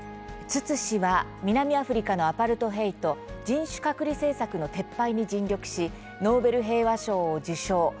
ツツ氏は南アフリカのアパルトヘイト・人種隔離政策の撤廃に尽力しノーベル平和賞を受賞。